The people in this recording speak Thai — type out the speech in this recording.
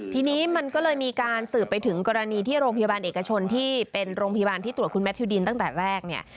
ทีนี้มันก็เลยมีการสืบไปถึงกรณีที่โรงพยาบาลเอกชนที่เป็นโรงพยาบาลที่ตรวจคุณแมททิวดินตั้งแต่แรกเนี่ย